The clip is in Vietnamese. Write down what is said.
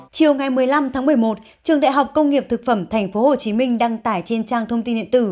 chiều ngày một mươi năm tháng một mươi một trường đại học công nghiệp thực phẩm tp hcm đăng tải trên trang thông tin điện tử